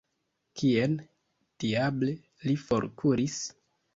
Kien, diable, li forkuris?